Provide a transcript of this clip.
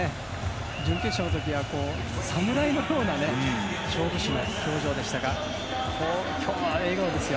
準決勝の時は侍のような勝負師の表情でしたが今日は笑顔ですよ。